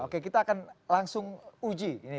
oke kita akan langsung uji